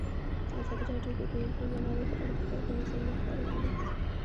ازادي راډیو د د اوبو منابع په اړه د خلکو نظرونه خپاره کړي.